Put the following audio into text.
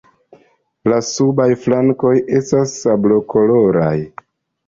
La subaj flankoj estas sablokoloraj.